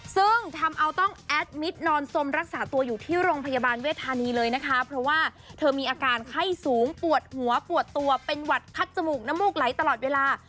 ซึ่งทำเอาต้องแอดมิตรนอนสมรักษาตัวอยู่ที่โรงพยาบาลเวทธานีเลยนะคะเพราะว่าเธอมีอาการไข้สูงปวดหัวปวดตัวเป็นหวัดคัดจมูกน้ำมูกไหลตลอดเวลา